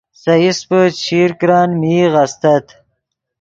سے ایسپے چشیر کرن میغ استت